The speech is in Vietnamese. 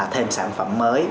thêm sản phẩm mới